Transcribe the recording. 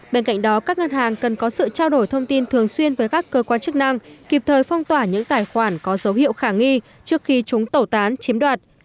bên cạnh đó các ngân hàng cần có sự trao đổi thông tin thường xuyên với các cơ quan chức năng kịp thời phong tỏa những tài khoản có dấu hiệu khả nghi trước khi chúng tẩu tán chiếm đoạt